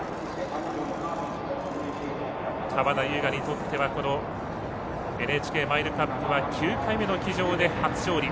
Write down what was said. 川田将雅にとってはＮＨＫマイルカップは９回目の騎乗で初勝利。